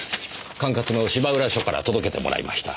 管轄の芝浦署から届けてもらいました。